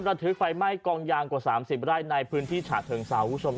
เราถือกไฟไหม้กองยางกว่าสามสิบรายในพื้นที่ฉาเทิงซาวคุณผู้ชม